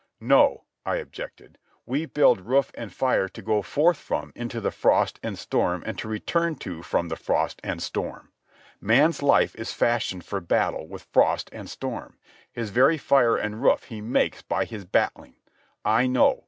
"No," I objected. "We build roof and fire to go forth from into the frost and storm and to return to from the frost and storm. Man's life is fashioned for battle with frost and storm. His very fire and roof he makes by his battling. I know.